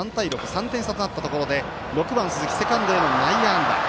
３点差となったところで６番セカンド、鈴木への内野安打。